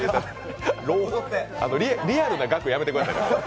リアルな額やめてください。